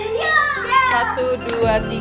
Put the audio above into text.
selamat ulang tahun pak bon